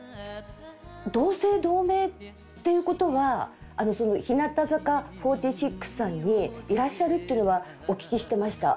同姓同名っていう事は日向坂４６さんにいらっしゃるっていうのはお聞きしてました。